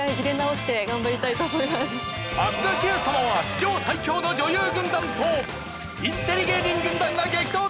明日の『Ｑさま！！』は史上最強の女優軍団とインテリ芸人軍団が激突！